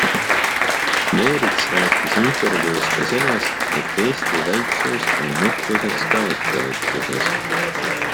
Meerits rääkis intervjuus ka sellest, et Eesti väiksus on nuhtluseks ka ettevõtluses.